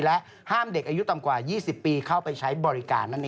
และห้ามเด็กอายุต่ำกว่า๒๐ปีเข้าไปใช้บริการนั่นเอง